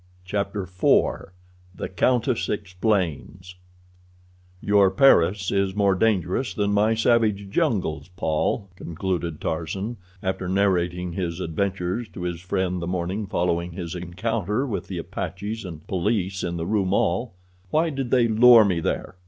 Chapter IV The Countess Explains "Your Paris is more dangerous than my savage jungles, Paul," concluded Tarzan, after narrating his adventures to his friend the morning following his encounter with the apaches and police in the Rue Maule. "Why did they lure me there?